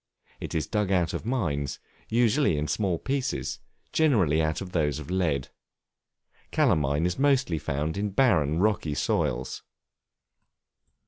It is dug out of mines, usually in small pieces; generally out of those of lead. Calamine is mostly found in barren, rocky soils.